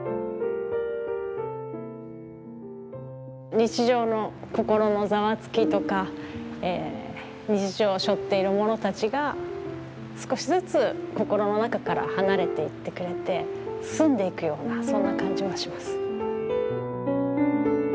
日常の心のざわつきとか日常しょっているものたちが少しずつ心の中から離れていってくれて澄んでいくようなそんな感じはします。